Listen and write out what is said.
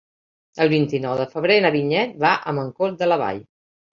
El vint-i-nou de febrer na Vinyet va a Mancor de la Vall.